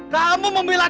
kamu membela dia